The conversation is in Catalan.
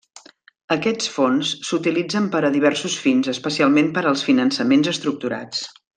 Aquests fons s'utilitzen per a diversos fins, especialment per als finançaments estructurats.